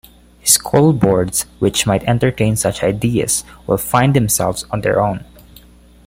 School boards which might entertain such ideas will find themselves on their own.